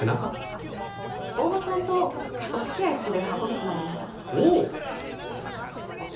あっ大庭さんとお付き合いする運びとなりましたおおっ！